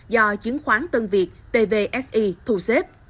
do chiến khoán tân việt tvsi thu xếp